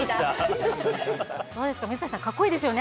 どうですか、水谷さん、かっこいいですよね。